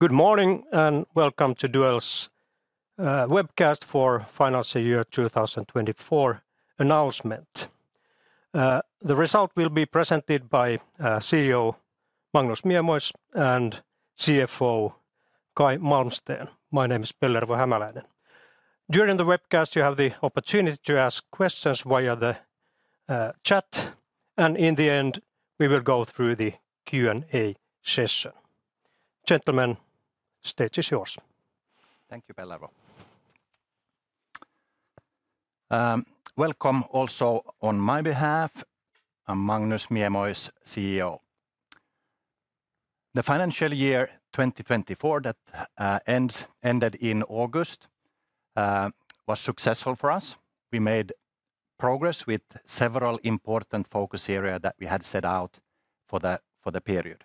Good morning, and welcome to Duell's webcast for financial year 2024 announcement. The result will be presented by CEO Magnus Miemois and CFO Caj Malmsten. My name is Pellervo Hämäläinen. During the webcast, you have the opportunity to ask questions via the chat, and in the end, we will go through the Q&A session. Gentlemen, stage is yours. Thank you, Pellervo. Welcome also on my behalf. I'm Magnus Miemois, CEO. The financial year 2024 that ended in August was successful for us. We made progress with several important focus area that we had set out for the period.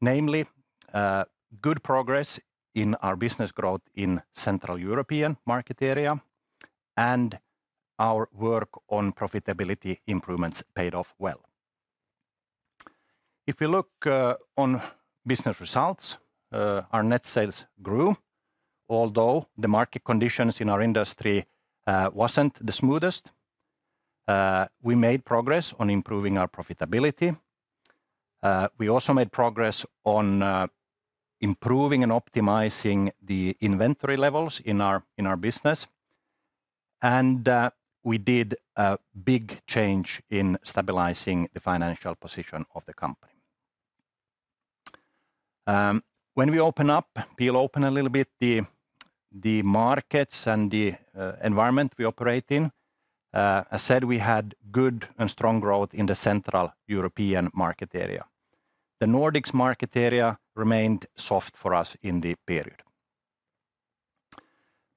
Namely, good progress in our business growth in Central European market area, and our work on profitability improvements paid off well. If you look on business results, our net sales grew, although the market conditions in our industry wasn't the smoothest. We made progress on improving our profitability. We also made progress on improving and optimizing the inventory levels in our business. And we did a big change in stabilizing the financial position of the company. When we open up, peel open a little bit the markets and the environment we operate in, I said we had good and strong growth in the Central European market area. The Nordics market area remained soft for us in the period.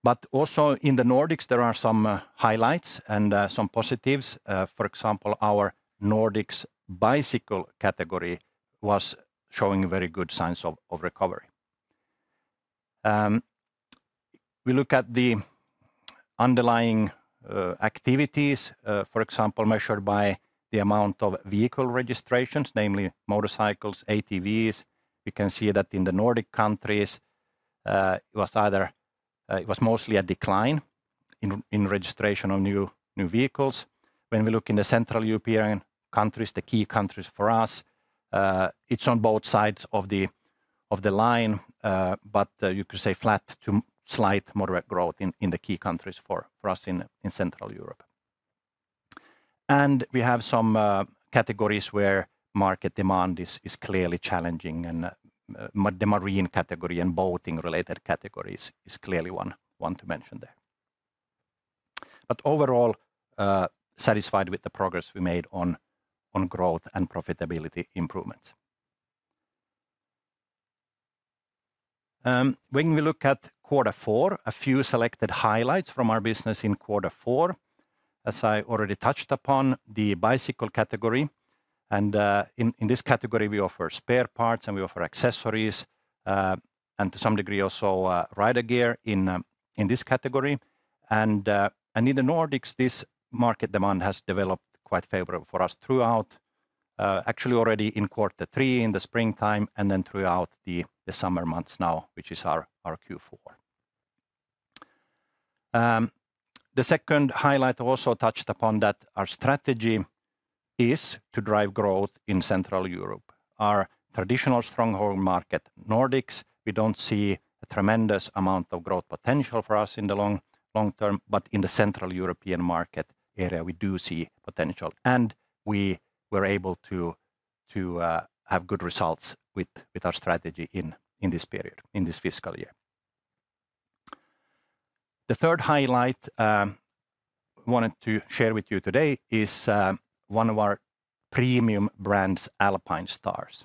But also in the Nordics, there are some highlights and some positives. For example, our Nordics bicycle category was showing very good signs of recovery. We look at the underlying activities, for example, measured by the amount of vehicle registrations, namely motorcycles, ATVs. We can see that in the Nordic countries, it was either. It was mostly a decline in registration of new vehicles. When we look in the Central European countries, the key countries for us, it's on both sides of the line, but you could say flat to slight moderate growth in the key countries for us in Central Europe. And we have some categories where market demand is clearly challenging, and the marine category and boating-related categories is clearly one to mention there. But overall, satisfied with the progress we made on growth and profitability improvements. When we look at quarter four, a few selected highlights from our business in quarter four, as I already touched upon, the bicycle category, and in this category, we offer spare parts, and we offer accessories, and to some degree, also rider gear in this category. In the Nordics, this market demand has developed quite favorable for us throughout actually already in quarter three, in the springtime, and then throughout the summer months now, which is our Q4. The second highlight also touched upon that our strategy is to drive growth in Central Europe. Our traditional stronghold market, Nordics, we don't see a tremendous amount of growth potential for us in the long term, but in the Central European market area, we do see potential. We were able to have good results with our strategy in this period, in this fiscal year. The third highlight I wanted to share with you today is one of our premium brands, Alpinestars.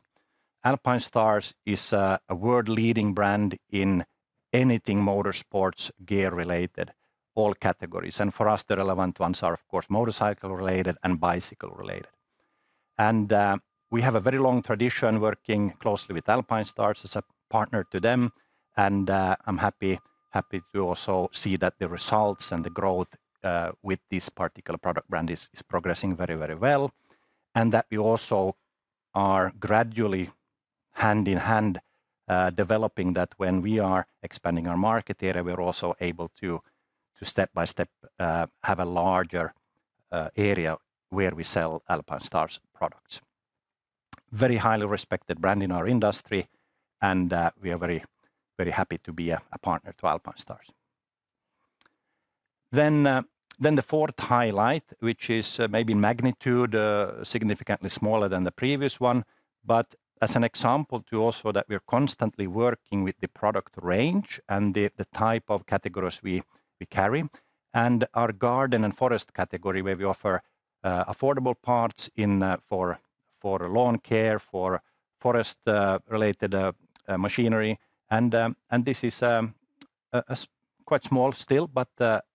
Alpinestars is a world-leading brand in anything motorsports gear related, all categories. And for us, the relevant ones are, of course, motorcycle-related and bicycle-related. And we have a very long tradition working closely with Alpinestars as a partner to them, and I'm happy to also see that the results and the growth with this particular product brand is progressing very, very well, and that we also are gradually hand in hand developing that when we are expanding our market area, we're also able to step by step have a larger area where we sell Alpinestars products. Very highly respected brand in our industry, and we are very, very happy to be a partner to Alpinestars. Then, then the fourth highlight, which is maybe in magnitude, significantly smaller than the previous one, but as an example to also that we are constantly working with the product range and the type of categories we carry, and our garden and forest category, where we offer affordable parts in for lawn care, for forest related machinery. And this is a quite small still, but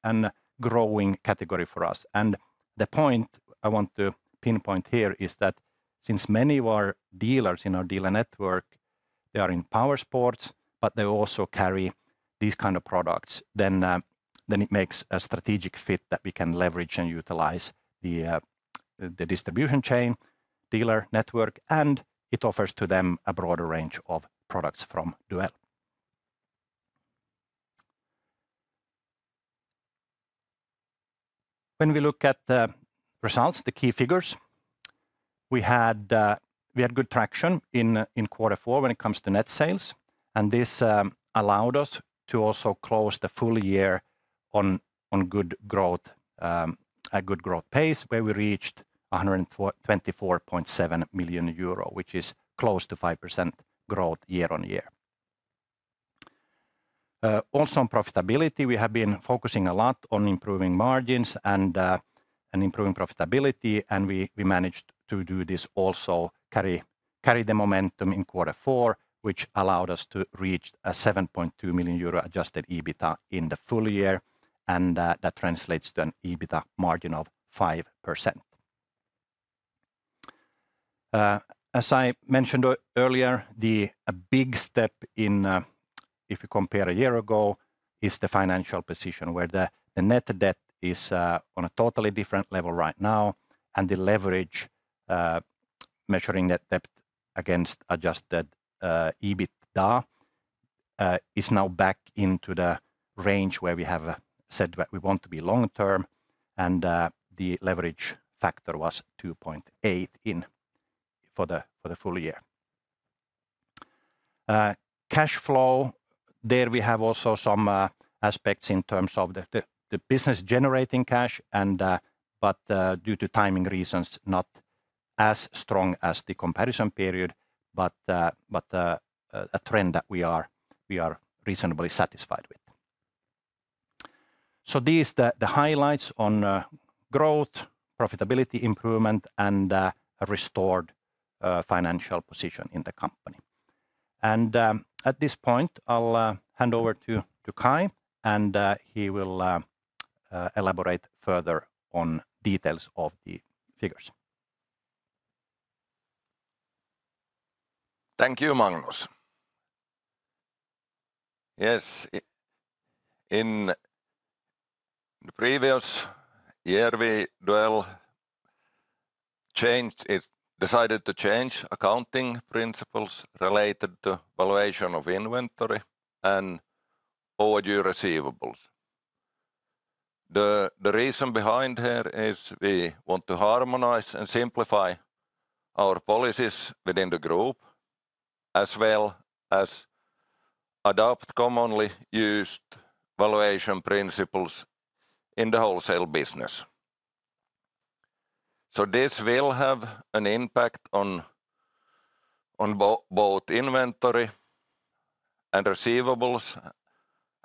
an growing category for us. And the point I want to pinpoint here is that since many of our dealers in our dealer network, they are in powersports, but they also carry these kind of products, then it makes a strategic fit that we can leverage and utilize the dealer network, and it offers to them a broader range of products from Duell. When we look at the results, the key figures, we had good traction in quarter four when it comes to net sales, and this allowed us to also close the full year on good growth, a good growth pace, where we reached 124.7 million euro, which is close to 5% growth year on year. Also on profitability, we have been focusing a lot on improving margins and improving profitability, and we managed to do this also carry the momentum in quarter four, which allowed us to reach 7.2 million euro adjusted EBITDA in the full year, and that translates to an EBITDA margin of 5%. As I mentioned earlier, a big step, if you compare a year ago, is the financial position, where the net debt is on a totally different level right now. And the leverage, measuring net debt against adjusted EBITDA, is now back into the range where we have said we want to be long term, and the leverage factor was two point eight in for the full year. Cash flow, there we have also some aspects in terms of the business generating cash and, but due to timing reasons, not as strong as the comparison period, but a trend that we are reasonably satisfied with. So these are the highlights on growth, profitability improvement, and a restored financial position in the company. At this point, I'll hand over to Caj, and he will elaborate further on details of the figures. Thank you, Magnus. Yes, in the previous year, we Duell changed it decided to change accounting principles related to valuation of inventory and overdue receivables. The reason behind here is we want to harmonize and simplify our policies within the group, as well as adopt commonly used valuation principles in the wholesale business. So this will have an impact on both inventory and receivables,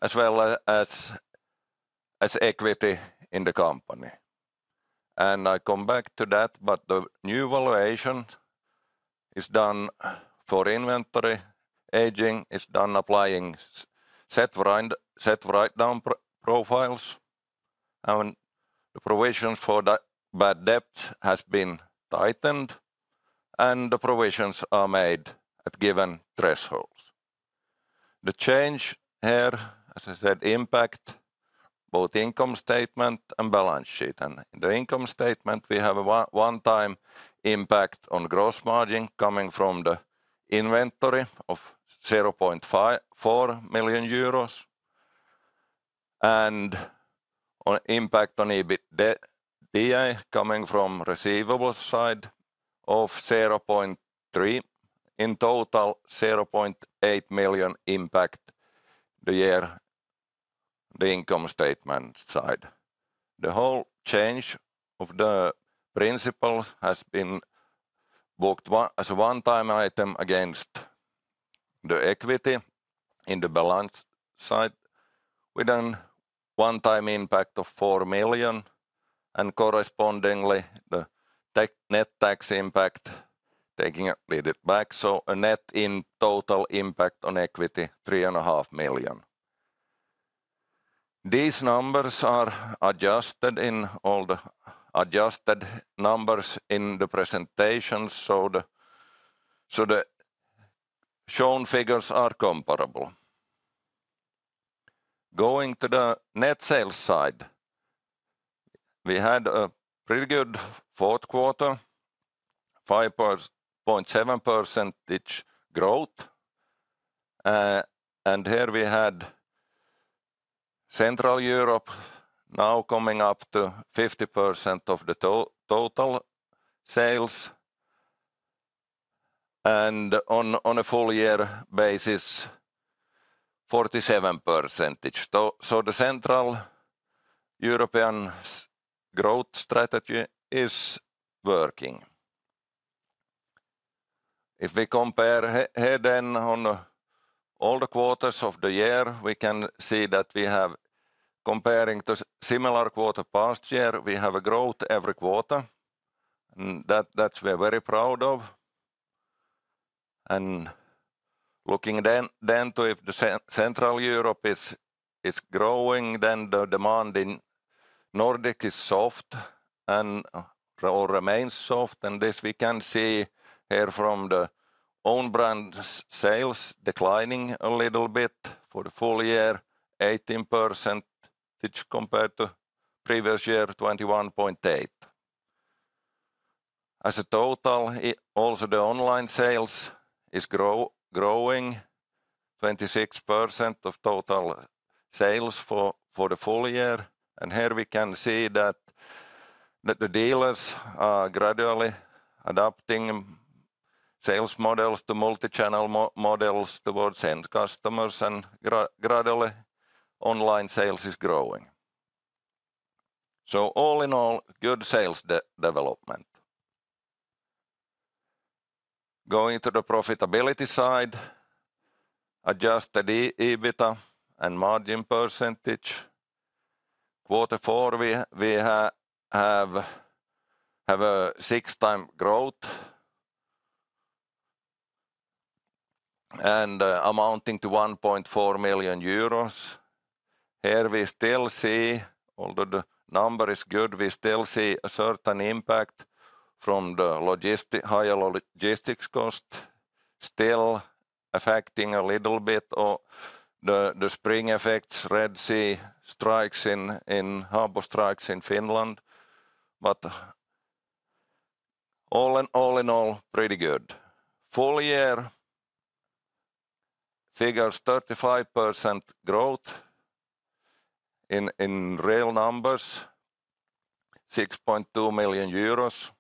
as well as equity in the company. And I come back to that, but the new valuation is done for inventory. Aging is done applying set write-down profiles, and the provision for the bad debt has been tightened, and the provisions are made at given thresholds. The change here, as I said, impact both income statement and balance sheet. And in the income statement, we have a one-time impact on gross margin coming from the inventory of EUR 0.54 million, and an impact on EBITDA, coming from the receivables side of 0.3 million. In total, 0.8 million impact the year, the income statement side. The whole change of the principle has been booked as a one-time item against the equity in the balance side, with a one-time impact of 4 million, and correspondingly, the net tax impact taking a little back, so a net in total impact on equity, 3.5 million. These numbers are adjusted in all the adjusted numbers in the presentation, so the shown figures are comparable. Going to the net sales side, we had a pretty good fourth quarter, 5.7% growth. And here we had Central Europe now coming up to 50% of the total sales, and on a full year basis, 47%. So the Central European growth strategy is working. If we compare here then on all the quarters of the year, we can see that we have, comparing to similar quarter past year, we have a growth every quarter, and that we are very proud of. And looking then to if the Central Europe is growing, then the demand in Nordic is soft and or remains soft. And this we can see here from the own brand's sales declining a little bit for the full year, 18% which compared to previous year, 21.8%. As a total, also the online sales is growing, 26% of total sales for the full year. And here we can see that the dealers are gradually adapting sales models to multi-channel models towards end customers, and gradually, online sales is growing. So all in all, good sales development. Going to the profitability side, adjusted EBITDA and margin percentage, quarter four, we have a six-time growth and amounting to 1.4 million euros. Here we still see, although the number is good, we still see a certain impact from the higher logistics cost still affecting a little bit of the spring effects, Red Sea strikes, harbor strikes in Finland. But all in all, pretty good. Full year figures, 35% growth. In real numbers, 6.2 million euros.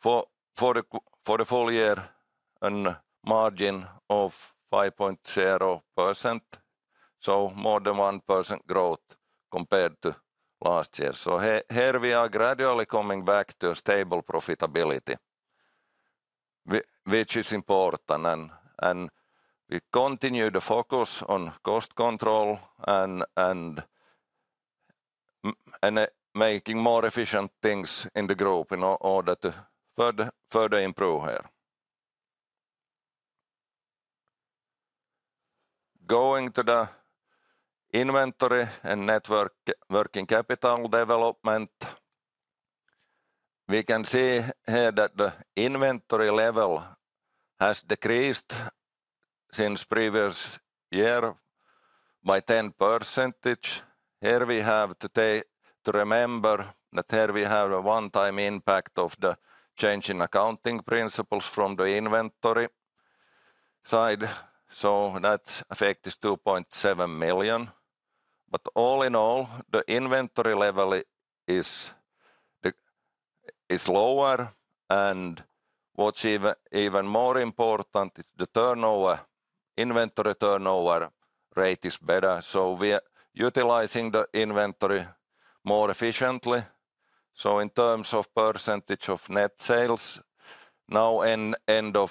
For the full year, a margin of 5.0%, so more than 1% growth compared to last year. Here we are gradually coming back to a stable profitability, which is important. We continue to focus on cost control and making more efficient things in the group in order to further improve here. Going to the inventory and net working capital development, we can see here that the inventory level has decreased since previous year by 10%. Here we have to remember that here we have a one-time impact of the change in accounting principles from the inventory side, so that effect is 2.7 million. But all in all, the inventory level is the... is lower, and what's even more important is the turnover, inventory turnover rate is better, so we are utilizing the inventory more efficiently. So in terms of percentage of net sales, now in end of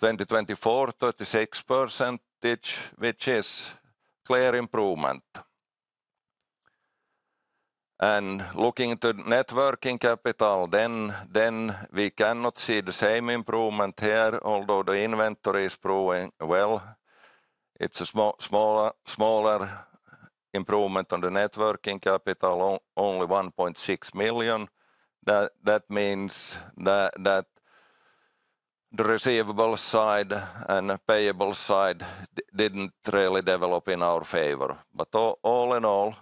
2024, 36%, which is clear improvement. And looking to net working capital, then we cannot see the same improvement here, although the inventory is growing well. It's a smaller improvement on the net working capital, only 1.6 million. That means that the receivable side and payable side didn't really develop in our favor. But all in all,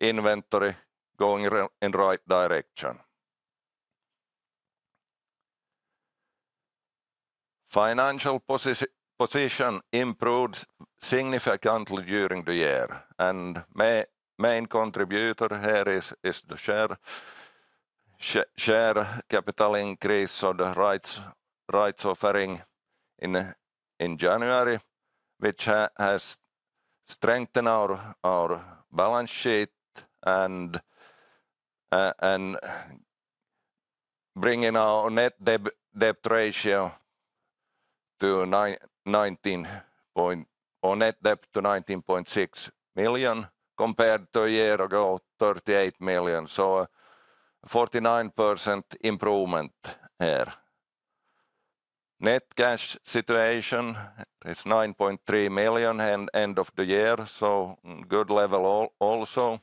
inventory going in the right direction. Financial position improved significantly during the year, and main contributor here is the share capital increase or the rights offering in January, which has strengthened our balance sheet and bringing our net debt to 19.6 million, compared to a year ago, 38 million. So a 49% improvement here. Net cash situation is 9.3 million end of the year, so good level also.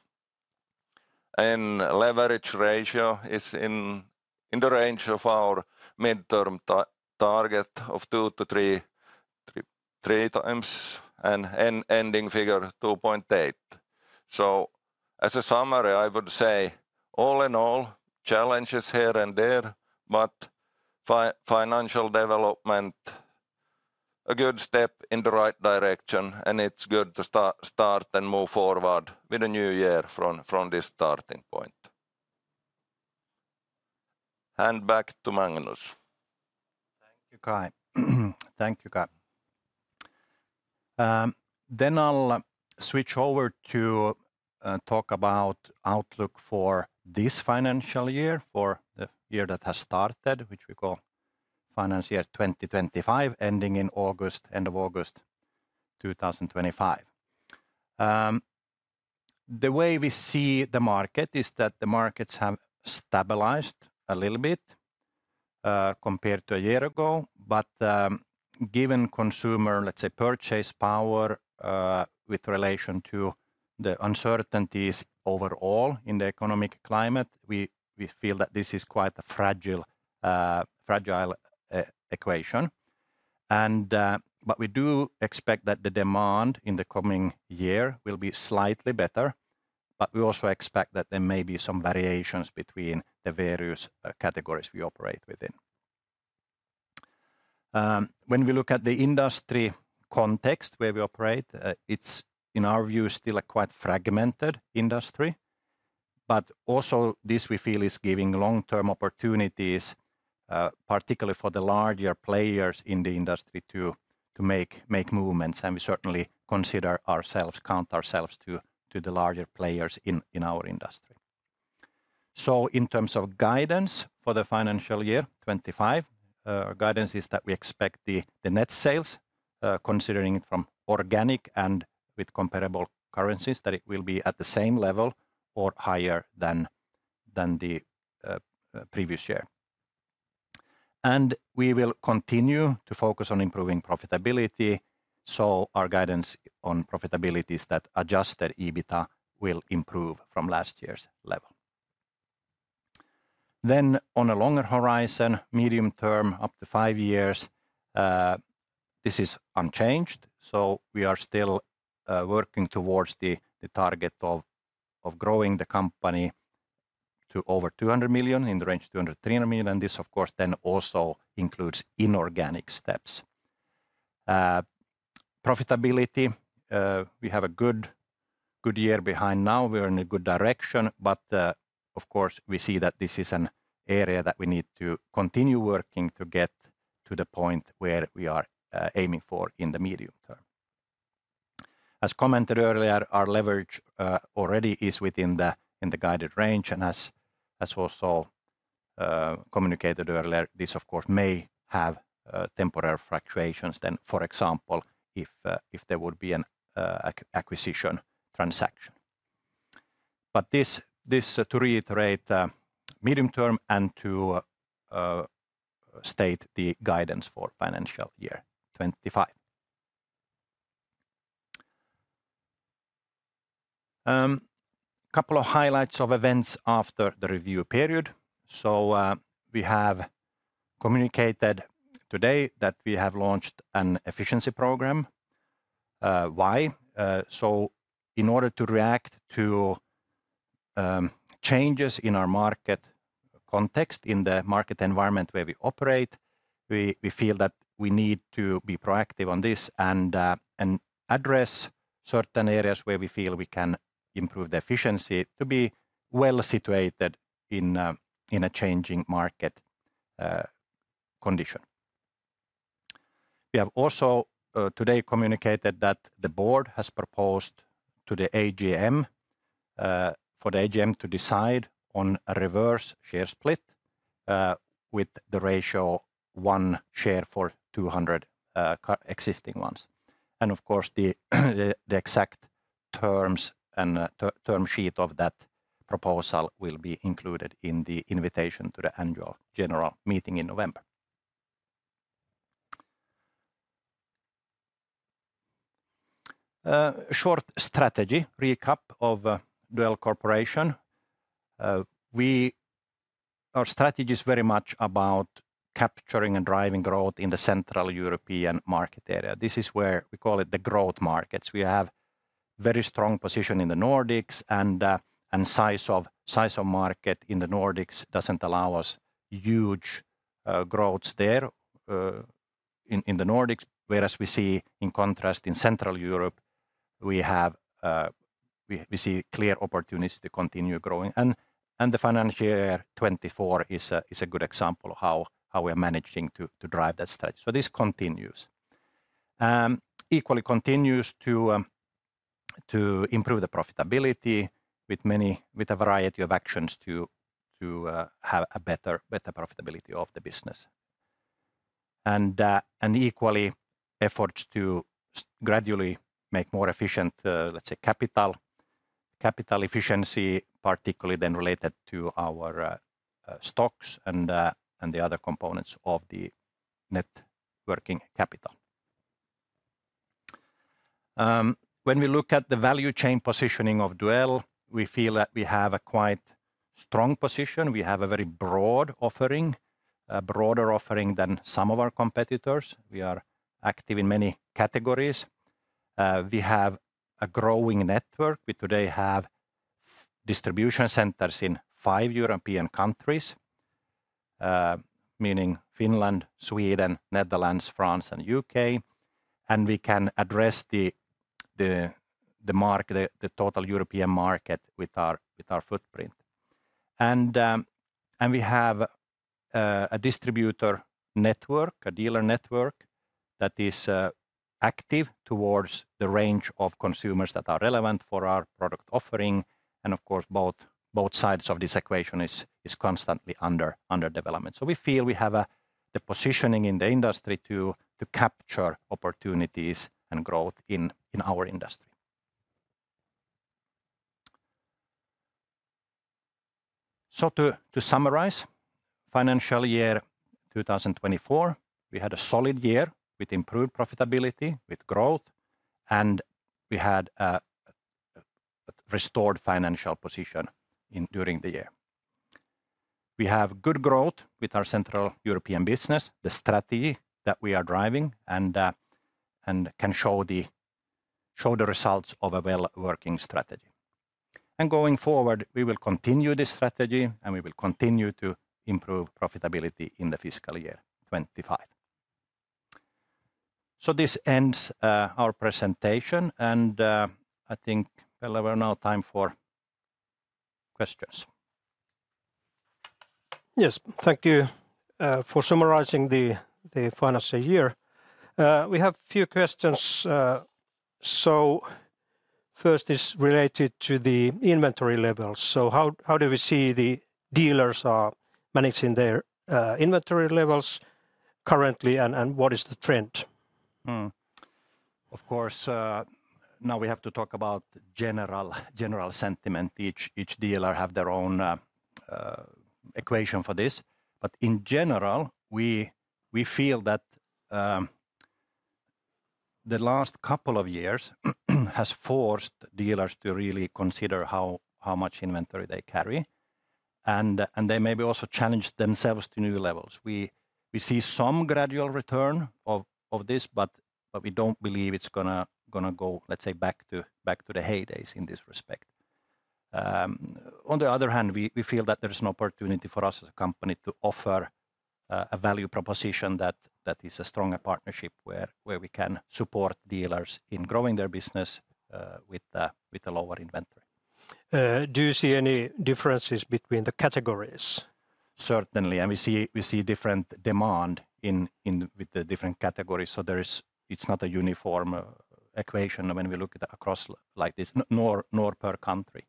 And leverage ratio is in the range of our midterm target of two to three times, and ending figure 2.8. So as a summary, I would say, all in all, challenges here and there, but financial development, a good step in the right direction, and it's good to start and move forward with a new year from this starting point. And back to Magnus. Thank you, Caj, then I'll switch over to talk about outlook for this financial year, for the year that has started, which we call financial year 2025, ending in August, end of August 2025. The way we see the market is that the markets have stabilized a little bit compared to a year ago. But given consumer, let's say, purchase power with relation to the uncertainties overall in the economic climate, we feel that this is quite a fragile equation, but we do expect that the demand in the coming year will be slightly better, but we also expect that there may be some variations between the various categories we operate within. When we look at the industry context where we operate, it's in our view still a quite fragmented industry, but also this we feel is giving long-term opportunities, particularly for the larger players in the industry to make movements. And we certainly consider ourselves, count ourselves to the larger players in our industry. So in terms of guidance for the financial year 2025, our guidance is that we expect the net sales, considering from organic and with comparable currencies, that it will be at the same level or higher than the previous year. And we will continue to focus on improving profitability. So our guidance on profitability is that Adjusted EBITDA will improve from last year's level. Then on a longer horizon, medium term, up to five years, this is unchanged. We are still working towards the target of growing the company to over 200 million, in the range 200 million- 300 million, and this of course then also includes inorganic steps. Profitability, we have a good year behind now. We are in a good direction, but of course we see that this is an area that we need to continue working to get to the point where we are aiming for in the medium term. As commented earlier, our leverage already is within the guided range, and as also communicated earlier, this of course may have temporary fluctuations such as, for example, if there would be an acquisition transaction. But this, to reiterate, medium term and to state the guidance for financial year 2025. Couple of highlights of events after the review period. We have communicated today that we have launched an efficiency program. Why? In order to react to changes in our market context, in the market environment where we operate, we feel that we need to be proactive on this and address certain areas where we feel we can improve the efficiency to be well-situated in a changing market condition. We have also today communicated that the board has proposed to the AGM for the AGM to decide on a reverse share split with the ratio one share for 200 co-existing ones. Of course, the exact terms and term sheet of that proposal will be included in the invitation to the annual general meeting in November. Short strategy recap of Duell Corporation. Our strategy is very much about capturing and driving growth in the Central European market area. This is where we call it the growth markets. We have very strong position in the Nordics and size of market in the Nordics doesn't allow us huge growths there in the Nordics. Whereas we see in contrast, in Central Europe, we see clear opportunities to continue growing. And the financial year 2024 is a good example of how we are managing to drive that strategy. So this continues. Equally continues to improve the profitability with a variety of actions to have a better profitability of the business. And equal efforts to gradually make more efficient, let's say, capital efficiency, particularly then related to our stocks and the other components of the net working capital. When we look at the value chain positioning of Duell, we feel that we have a quite strong position. We have a very broad offering, a broader offering than some of our competitors. We are active in many categories. We have a growing network. We today have distribution centers in five European countries, meaning Finland, Sweden, Netherlands, France, and U.K.. We can address the total European market with our footprint. We have a distributor network, a dealer network that is active towards the range of consumers that are relevant for our product offering. Of course, both sides of this equation is constantly under development. So we feel we have the positioning in the industry to capture opportunities and growth in our industry. So to summarize, financial year 2024, we had a solid year with improved profitability, with growth, and we had restored financial position during the year. We have good growth with our Central European business, the strategy that we are driving, and can show the results of a well-working strategy. Going forward, we will continue this strategy, and we will continue to improve profitability in the fiscal year 2025. This ends our presentation, and I think, Pelle, it's now time for questions. Yes, thank you for summarizing the financial year. We have few questions. So first is related to the inventory levels. So how do we see the dealers are managing their inventory levels currently, and what is the trend? Of course, now we have to talk about general sentiment. Each dealer have their own equation for this, but in general, we feel that the last couple of years has forced dealers to really consider how much inventory they carry, and they maybe also challenge themselves to new levels. We see some gradual return of this, but we don't believe it's gonna go, let's say, back to the heydays in this respect. On the other hand, we feel that there is an opportunity for us as a company to offer a value proposition that is a stronger partnership, where we can support dealers in growing their business with a lower inventory. Do you see any differences between the categories? Certainly, and we see different demand with the different categories, so there is. It's not a uniform equation when we look at across like this, nor per country.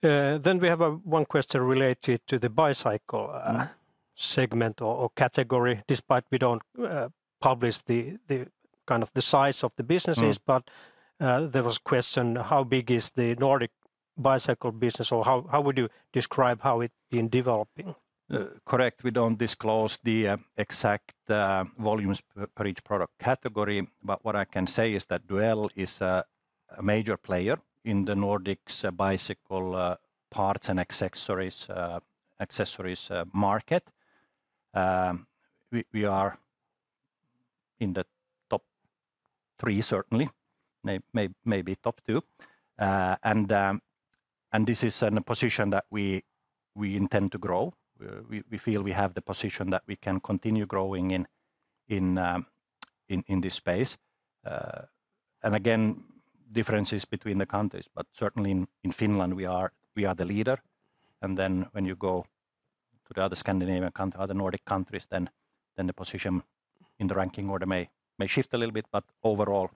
Then we have one question related to the bicycle- Mm ... segment or category. Despite we don't publish the kind of the size of the businesses- Mm... but, there was question: how big is the Nordic bicycle business, or how would you describe how it been developing? Correct, we don't disclose the exact volumes per each product category, but what I can say is that Duell is a major player in the Nordics bicycle parts and accessories market. We are in the top three, certainly, maybe top two. And this is in a position that we intend to grow. We feel we have the position that we can continue growing in this space. And again, differences between the countries, but certainly in Finland, we are the leader, and then when you go to the other Scandinavian country, other Nordic countries, then the position in the ranking order may shift a little bit, but overall,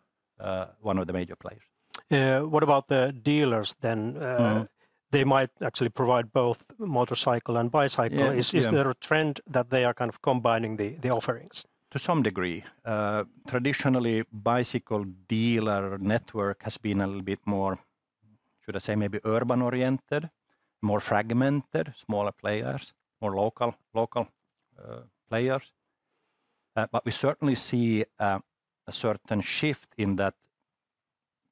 one of the major players. What about the dealers then? Mm. They might actually provide both motorcycle and bicycle. Yeah, yeah. Is there a trend that they are kind of combining the offerings? To some degree. Traditionally, bicycle dealer network has been a little bit more, should I say, maybe urban oriented, more fragmented, smaller players, more local players. But we certainly see a certain shift in that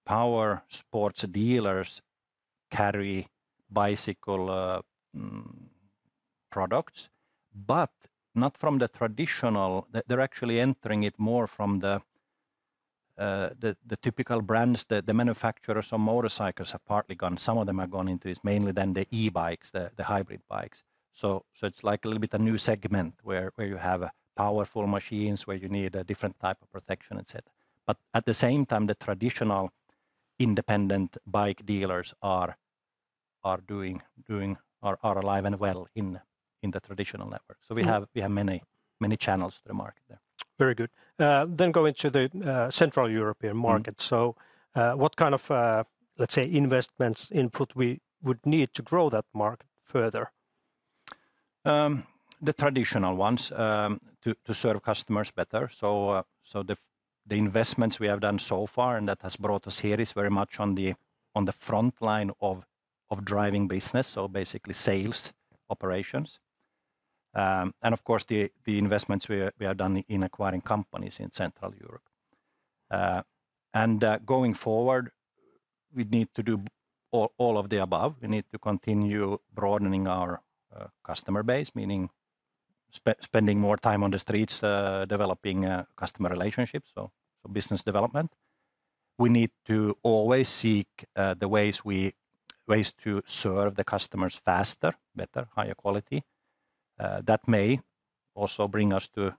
power sports dealers carry bicycle products, but not from the traditional... They're actually entering it more from the typical brands. The manufacturers on motorcycles have partly gone. Some of them have gone into, mainly then the e-bikes, the hybrid bikes. So it's like a little bit a new segment, where you have powerful machines, where you need a different type of protection, etcetera. But at the same time, the traditional independent bike dealers are alive and well in the traditional network. Mm. We have many, many channels to the market there. Very good. Then going to the Central European market- Mm... so, what kind of, let's say, investments input we would need to grow that market further? The traditional ones to serve customers better. The investments we have done so far, and that has brought us here, is very much on the front line of driving business, so basically sales, operations. And of course, the investments we have done in acquiring companies in Central Europe. And going forward, we need to do all of the above. We need to continue broadening our customer base, meaning spending more time on the streets, developing customer relationships, so business development. We need to always seek the ways to serve the customers faster, better, higher quality. That may also bring us to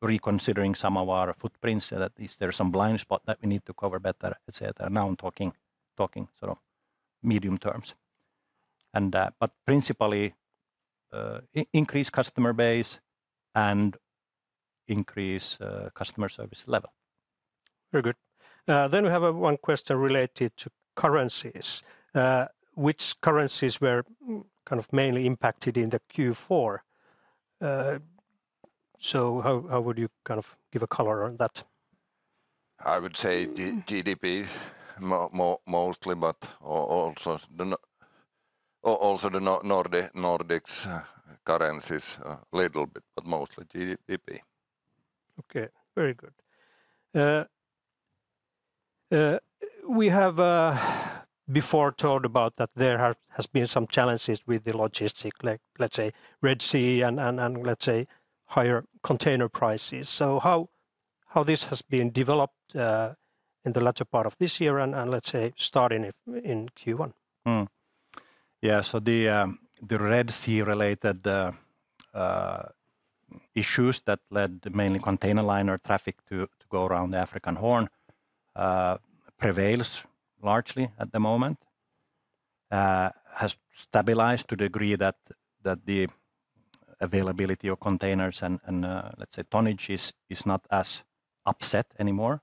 reconsidering some of our footprints, that is there some blind spot that we need to cover better, etcetera. Now I'm talking sort of medium terms, but principally, increase customer base and increase customer service level. Very good. Then we have one question related to currencies. Which currencies were kind of mainly impacted in the Q4? So how would you kind of give a color on that? I would say the GDP mostly, but also the Nordics little bit, but mostly GDP. Okay, very good. We have before talked about that there have, has been some challenges with the logistics, like, let's say, Red Sea, and let's say, higher container prices. So how this has been developed in the latter part of this year and, let's say, starting in Q1? Mm. Yeah, so the Red Sea-related issues that led mainly container liner traffic to go around the Horn of Africa prevails largely at the moment. It has stabilized to a degree that the availability of containers and let's say tonnage is not as upset anymore,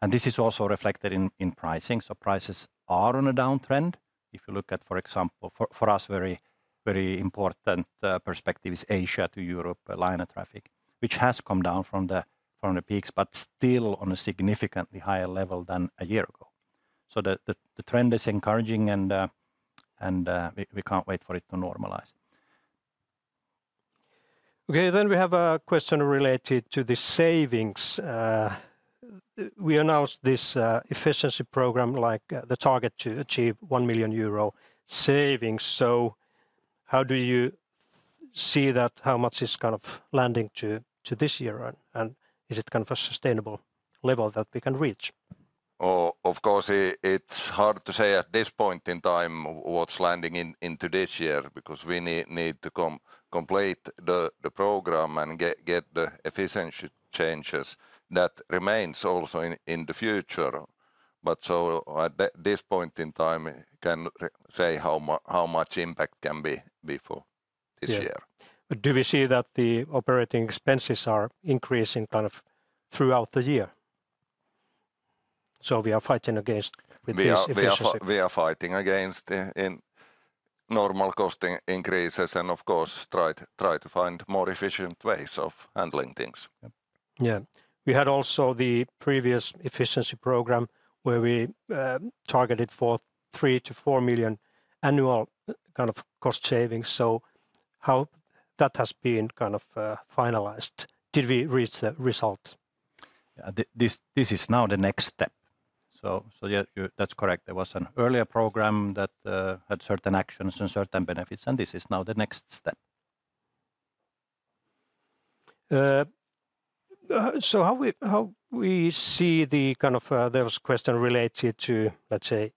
and this is also reflected in pricing. So prices are on a downtrend. If you look at, for example, for us very important perspective is Asia to Europe liner traffic, which has come down from the peaks, but still on a significantly higher level than a year ago. So the trend is encouraging, and we can't wait for it to normalize. Okay, then we have a question related to the savings. We announced this efficiency program, like, the target to achieve 1 million euro savings, so how do you see that? How much is kind of landing to this year, and is it kind of a sustainable level that we can reach? Oh, of course, it's hard to say at this point in time what's landing into this year, because we need to complete the program and get the efficiency changes that remains also in the future. But so at this point in time, can't say how much impact can be before this year. Yeah. Do we see that the operating expenses are increasing kind of throughout the year? So we are fighting against, with this efficiency- We are fighting against normal cost increases, and of course, try to find more efficient ways of handling things. Yeah. Yeah. We had also the previous efficiency program, where we targeted for 3 million-4 million annual kind of cost savings, so how that has been kind of finalized? Did we reach the result? Yeah, this is now the next step, so yeah. That's correct. There was an earlier program that had certain actions and certain benefits, and this is now the next step. So how we see the kind of. There was question related to, let's say,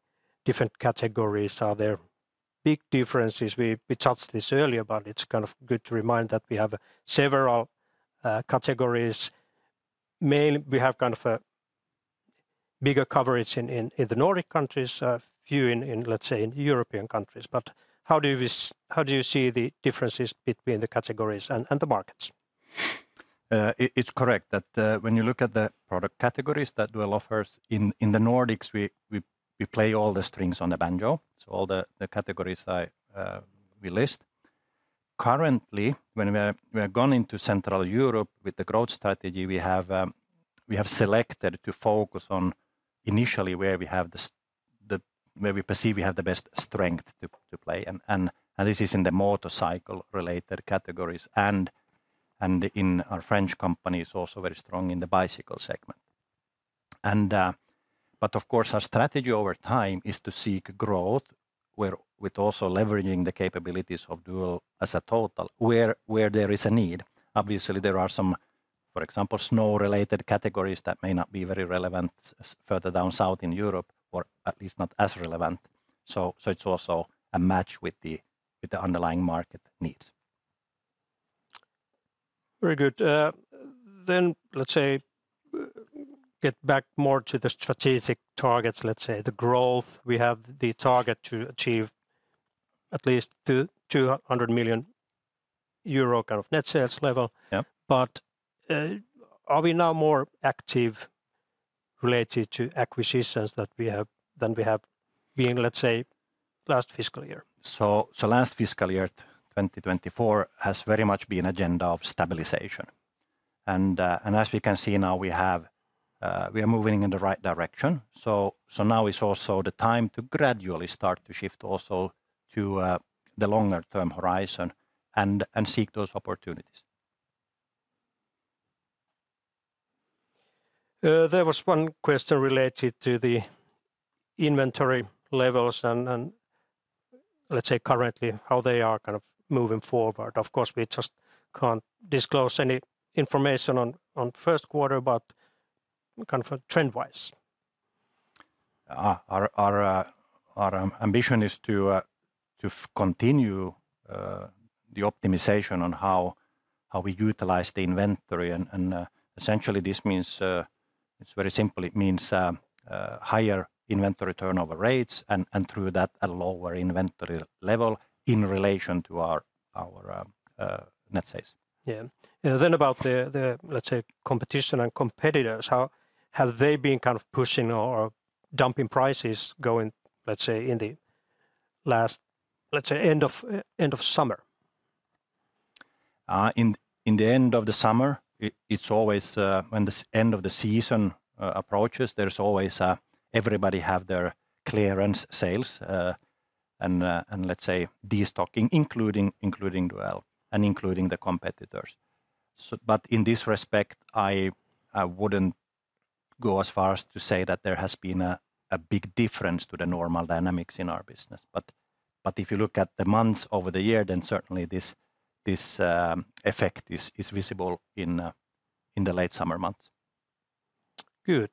different categories. Are there big differences? We touched this earlier, but it's kind of good to remind that we have several categories. Mainly, we have kind of a bigger coverage in the Nordic countries, a few in, let's say, in European countries. But how do you see the differences between the categories and the markets? It's correct that when you look at the product categories that Duell offers, in the Nordics, we play all the strings on the banjo, so all the categories we list. Currently, when we are going into Central Europe with the growth strategy, we have selected to focus on initially where we have the... Where we perceive we have the best strength to play, and this is in the motorcycle-related categories, and in our French company is also very strong in the bicycle segment. But of course, our strategy over time is to seek growth with also leveraging the capabilities of Duell as a total where there is a need. Obviously, there are some, for example, snow-related categories that may not be very relevant further down south in Europe, or at least not as relevant, so it's also a match with the underlying market needs. Very good. Then, let's say, get back more to the strategic targets, let's say, the growth. We have the target to achieve at least 200 million euro kind of net sales level. Yeah. Are we now more active related to acquisitions that we have, than we have been, let's say, last fiscal year? So last fiscal year, 2024, has very much been agenda of stabilization, and as we can see now, we are moving in the right direction. So now is also the time to gradually start to shift also to the longer term horizon and seek those opportunities. There was one question related to the inventory levels, and let's say, currently, how they are kind of moving forward. Of course, we just can't disclose any information on first quarter, but kind of trend-wise. Our ambition is to continue the optimization on how we utilize the inventory, and essentially, this means, it's very simple. It means higher inventory turnover rates, and through that, a lower inventory level in relation to our net sales. Yeah, and then about the, let's say, competition and competitors, how have they been kind of pushing or dumping prices going, let's say, in the last, let's say, end of summer? In the end of the summer, it's always when the end of the season approaches, there's always everybody have their clearance sales, and let's say, de-stocking, including Duell and including the competitors. So but in this respect, I wouldn't go as far as to say that there has been a big difference to the normal dynamics in our business. But if you look at the months over the year, then certainly this effect is visible in the late summer months. Good.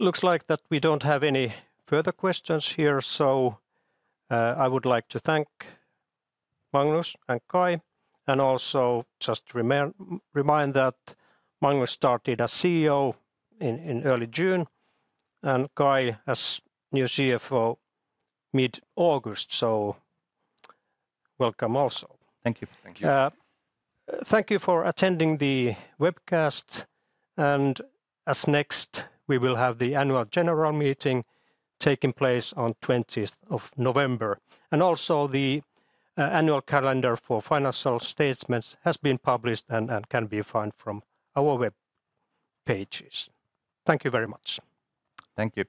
Looks like that we don't have any further questions here, so, I would like to thank Magnus and Caj, and also just remind that Magnus started as CEO in early June, and Caj as new CFO mid-August, so welcome also. Thank you. Thank you. Thank you for attending the webcast, and as next, we will have the annual general meeting taking place on 20th of November. Also, the annual calendar for financial statements has been published and can be found from our web pages. Thank you very much. Thank you.